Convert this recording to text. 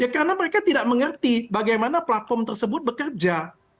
karena mereka tidak mengerti bagaimana platform tersebut bekerja